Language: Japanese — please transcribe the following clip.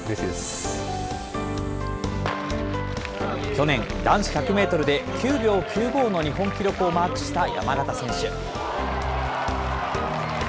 去年、男子１００メートルで９秒９５の日本記録をマークした山縣選手。